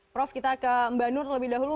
prof kita ke mba nur lebih dahulu